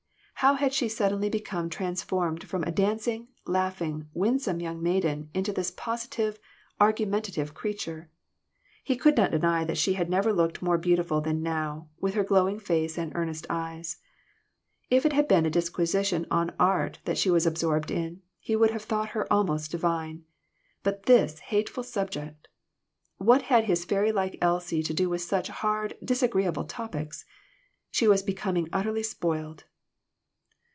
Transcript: How had she suddenly become trans formed from a dancing, laughing, winsome, young maiden into this positive, argumentative creature. He could not deny that she had never looked more beautiful than now, with her glowing face and earnest eyes. If it had been a disquisition on art that she was absorbed in, he would have thought her almost divine. But this hateful sub ject ! What had his fairy like Elsie to do with such hard, disagreeable topics ? She was becom ing utterly spoiled.